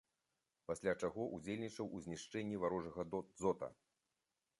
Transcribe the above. Пасля чаго ўдзельнічаў у знішчэнні варожага дзота.